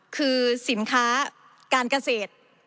คือสินค้าการเกษตร